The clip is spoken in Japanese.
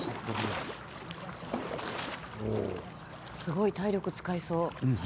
すごい体力を使いそう。